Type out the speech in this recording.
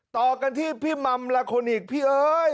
ต่อกันที่พี่มัมละคนอีกพี่เอ้ย